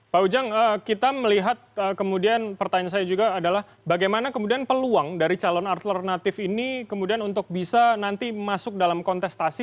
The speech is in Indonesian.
pak ujang kita melihat kemudian pertanyaan saya juga adalah bagaimana kemudian peluang dari calon alternatif ini kemudian untuk bisa nanti masuk dalam kontestasi